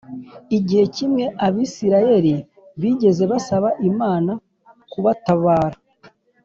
Igihe kimwe Abisirayeli bigeze gusaba Imana kubatabara